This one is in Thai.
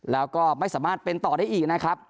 แล้วก็ไม่สามารถเป็นต่อได้อีกนะครับ